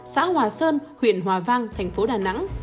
xã hòa sơn huyện hòa vang thành phố đà nẵng